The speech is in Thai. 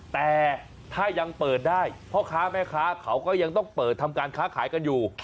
แต่ถ้ายังเปิดได้พ่อค้าแม่ค้าเขาก็ยังต้องเปิดทำการค้าขายกันอยู่